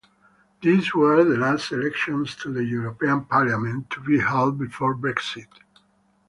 These were the last elections to the European Parliament to be held before Brexit.